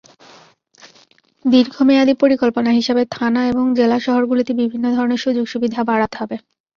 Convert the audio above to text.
দীর্ঘমেয়াদি পরিকল্পনা হিসেবে থানা এবং জেলা শহরগুলোতে বিভিন্ন ধরনের সুযোগ-সুবিধা বাড়াতে হবে।